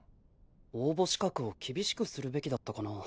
応募資格を厳しくするべきだったかな。